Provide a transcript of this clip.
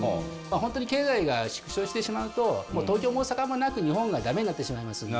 ホントに経済が縮小してしまうと東京も大阪もなく日本が駄目になってしまいますので。